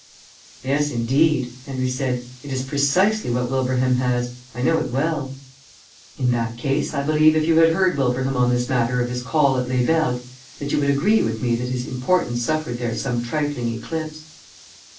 "Yes, indeed," Henry said. "It is precisely what Wilbraham has. I know it well." "In that case, I believe if you had heard Wilbraham on this matter of his call at Les Bergues that you would agree with me that his importance suffered there some trifling eclipse."